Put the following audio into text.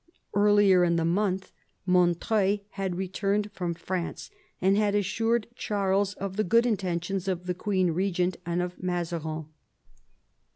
Earlier in the month Montreuil had returned from France and had assured Charles of the good in tentions of the queen regent and of Mazarin.